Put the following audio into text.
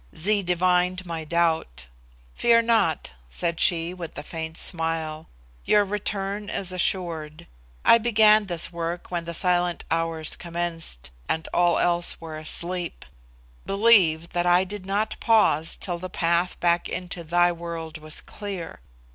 Zee divined my doubt. "Fear not," said she, with a faint smile; "your return is assured. I began this work when the Silent Hours commenced, and all else were asleep; believe that I did not paused till the path back into thy world was clear.